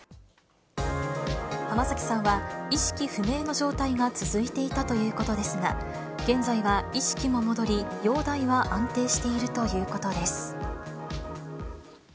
浜崎さんは、意識不明の状態が続いていたということですが、現在は意識も戻り、容体は安定しているということです。